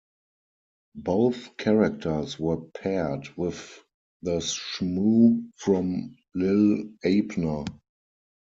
Both characters were paired with the Shmoo from "Li'l Abner".